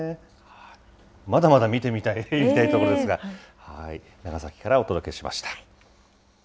まだまだ見てみたい、ゆっくり見たいところですが、長崎からお届けしました。